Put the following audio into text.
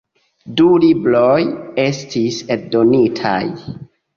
Du libroj estis eldonitaj.